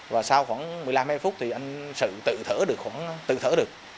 và sau khoảng một mươi năm phút thì anh sự tự thở được